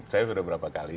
saya sudah beberapa kali